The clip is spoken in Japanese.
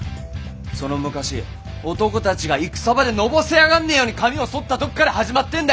その昔男たちが戦場でのぼせ上がんねえように髪をそったとこから始まってんだ！